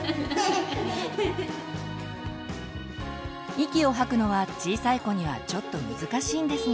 息を吐くのは小さい子にはちょっと難しいんですが。